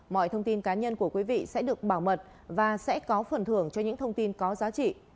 mọi thông tin cá nhân của quý vị sẽ được bảo mật và sẽ có phần thưởng cho những thông tin có giá trị